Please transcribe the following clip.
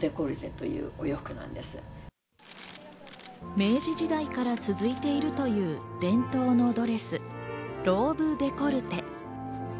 明治時代から続いているという伝統のドレス・ローブデコルテ。